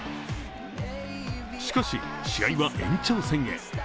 しかし、試合は延長戦へ。